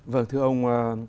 vâng thưa ông